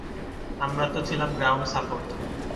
আমরা তো ছিলাম গ্রাউন্ড সাপোর্ট।